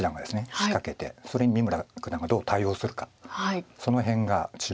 仕掛けてそれに三村九段がどう対応するかその辺が注目です。